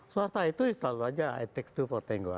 swasta itu selalu aja i take two for tango